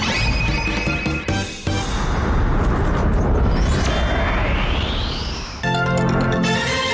กง